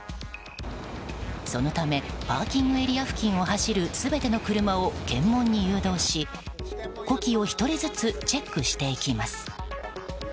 そのためパーキングエリア付近を走る全ての車を検問に誘導し、呼気を１人ずつチェックしていきます。